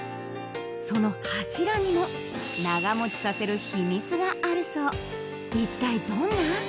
その柱にも長持ちさせる秘密があるそう一体どんな？